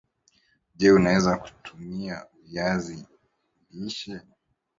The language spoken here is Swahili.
Je! unawezaje kutumia viazi lishe